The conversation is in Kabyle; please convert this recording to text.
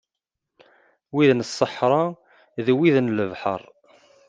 Wid n ṣṣeḥra d wid n lebḥer.